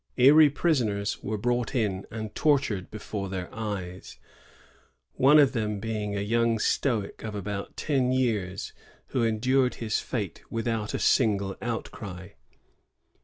Erie prisoners were brought in and tortured before their eyes, — one of them being a young stoic of about ten years, who endured his fate without a single outcry.